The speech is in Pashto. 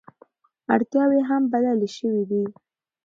اړتیاوې هم بدلې شوې دي.